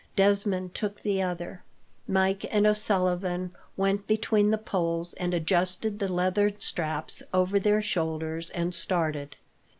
Desmond took the other. Mike and O'Sullivan went between the poles, and adjusted the leathern straps over their shoulders, and started.